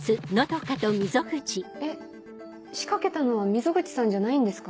えっ仕掛けたのは溝口さんじゃないんですか？